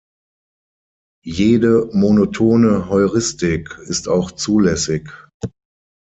Jede "monotone" Heuristik ist auch "zulässig".